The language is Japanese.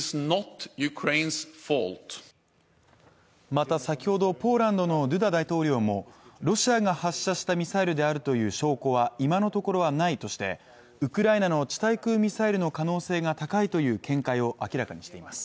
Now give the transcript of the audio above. また先ほどポーランドのドゥダ大統領もロシアが発射したミサイルであるという証拠は今のところはないとしてウクライナの地対空ミサイルの可能性が高いという見解を明らかにしています